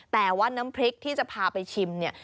แต่ว่าน้ำพริกที่จะพาไปชิมเนี่ย